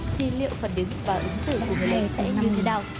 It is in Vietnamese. thì liệu phần đứng và ứng xử của người lớn sẽ như thế nào